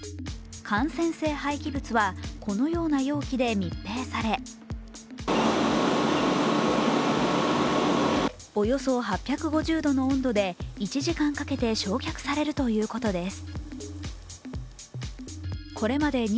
感染性廃棄物はこのような容器で密閉されおよそ８５０度の温度で１時間かけて焼却されるということです。